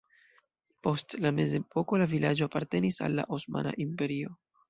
Post la mezepoko la vilaĝo apartenis al Osmana Imperio.